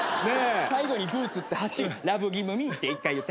最後に「ブーツ」って８「ラブギブミー」って１回言って。